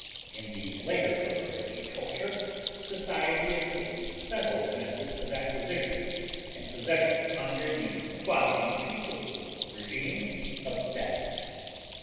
In the later barbarian culture society attained settled methods of acquisition and possession under the quasi peaceable regime of status.